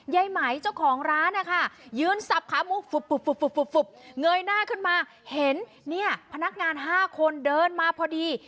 ไหมเจ้าของร้านนะคะยืนสับขามุกเงยหน้าขึ้นมาเห็นเนี่ยพนักงาน๕คนเดินมาพอดี